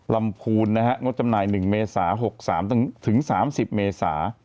ลำพูนนะครับงดจำหน่าย๑เมษา๖๓จนถึง๓๐เมษา